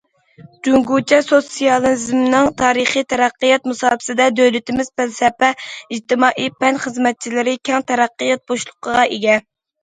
جۇڭگوچە سوتسىيالىزمنىڭ تارىخىي تەرەققىيات مۇساپىسىدە، دۆلىتىمىز پەلسەپە، ئىجتىمائىي پەن خىزمەتچىلىرى كەڭ تەرەققىيات بوشلۇقىغا ئىگە.